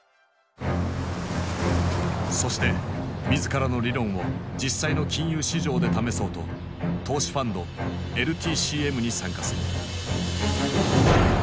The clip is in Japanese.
そして自らの理論を実際の金融市場で試そうと投資ファンドＬＴＣＭに参加する。